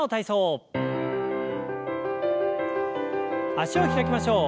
脚を開きましょう。